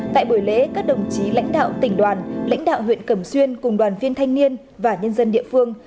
tại buổi lễ các đồng chí lãnh đạo tỉnh đoàn lãnh đạo huyện cẩm xuyên cùng đoàn viên thanh niên và nhân dân địa phương